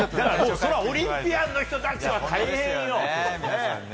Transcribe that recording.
そりゃ、オリンピアンの人たちは大変よ。